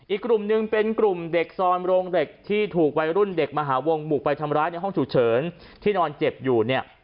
อีกกลุ่มหนึ่งเป็นกลุ่มเด็กซอนโรงเหล็กที่ถูกวัยรุ่นเด็กมหาวงบุกไปทำร้ายในห้องฉุกเฉินที่นอนเจ็บอยู่เนี่ย